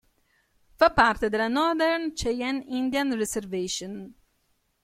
Fa parte della Northern Cheyenne Indian Reservation.